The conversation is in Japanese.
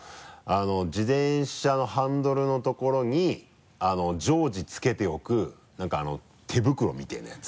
自転車のハンドルのところに常時つけておく何かあの手袋みたいなやつ。